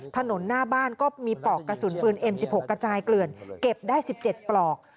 ถนนหน้าบ้านก็มีปลอกกระสุนปืนเอ็ม๑๖กระจายเกลื่อนเก็บได้๑๗ปลอก